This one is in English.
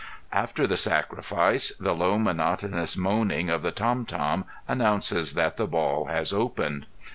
After the sacrifice, the low monotonous moaning of the tom tom announces that the ball has opened.